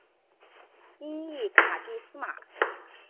音译卡蒂斯玛。